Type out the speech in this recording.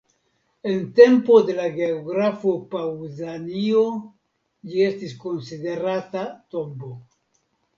En tempo de la geografo Paŭzanio ĝi estis konsiderata tombo.